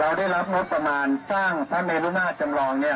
เราได้รับงบประมาณสร้างท่าเมฆุมาสจำลอง